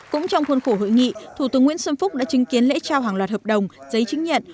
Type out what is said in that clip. cũng trong khuôn khổ hội nghị thủ tướng nguyễn xuân phúc đã chứng kiến lễ trao hàng loạt hợp đồng giấy chứng nhận